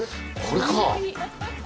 これかぁ。